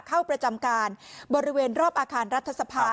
เข้าประจำการบริเวณรอบอาคารรัฐสภา